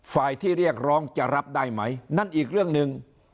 ฝ่ายที่เรียกร้องจะรับได้ไหมนั่นอีกเรื่องหนึ่ง